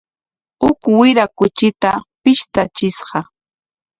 Huk wira kuchita pishtachishqa.